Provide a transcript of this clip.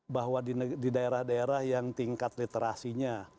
bahwa di daerah daerah yang tingkat literasinya